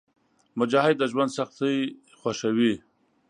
مجاهد د ژوند سختۍ خوښوي.